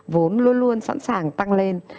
vốn luôn luôn sẵn sàng tăng lên